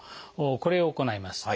これを行います。